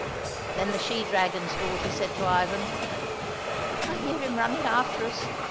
Then the she dragon's daughter said to Ivan, " I hear him running after us.